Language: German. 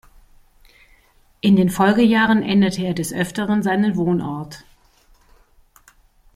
In den Folgejahren änderte er des Öfteren seinen Wohnort.